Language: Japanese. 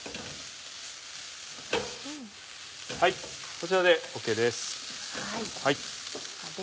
こちらでＯＫです。